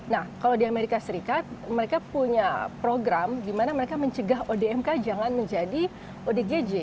nah kalau di amerika serikat mereka punya program gimana mereka mencegah odmk jangan menjadi odgj